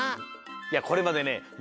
いやこれまでね